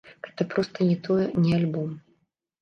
Гэта проста не тое, не альбом.